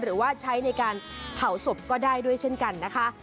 หรือว่าใช้ในการเผาศพก็ได้ด้วยเช่นกันนะคะ